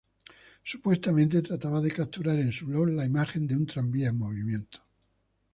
Supuestamente trataba de capturar en su block la imagen de un tranvía en movimiento.